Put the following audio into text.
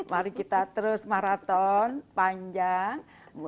mari kita terus maraton panjang